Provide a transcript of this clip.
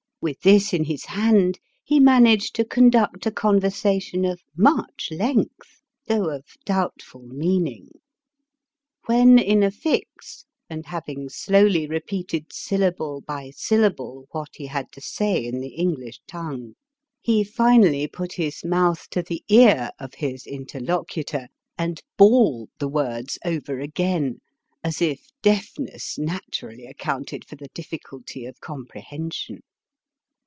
281 With this in his hand he managed to conduct a conversation of much length, though of doubtful meaning. When in a fix, and having slowly repeated syllable by syllable what he had to say in the EngUsh tongue, he finally put his mouth to the ear of his interlocutor and bawled the words over again, as if deafness naturally accounted for the difficulty of com prehension.